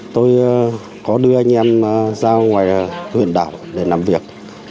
tôi có đưa anh em ra ngoài huyện đảo để làm việc